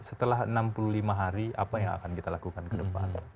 setelah enam puluh lima hari apa yang akan kita lakukan ke depan